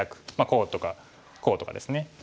こうとかこうとかですね。